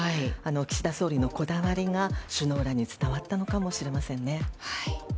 岸田総理のこだわりが首脳らに伝わったのかもしれません。